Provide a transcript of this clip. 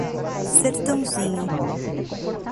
Sertãozinho